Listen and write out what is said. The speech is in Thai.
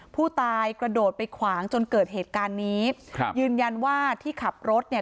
ผู้ตายกระโดดไปขวางจนเกิดเหตุการณ์นี้ครับยืนยันว่าที่ขับรถเนี่ย